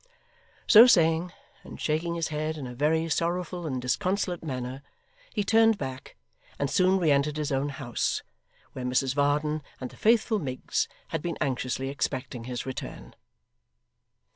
So saying, and shaking his head in a very sorrowful and disconsolate manner, he turned back, and soon re entered his own house, where Mrs Varden and the faithful Miggs had been anxiously expecting his return.